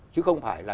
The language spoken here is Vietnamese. chứ không phải là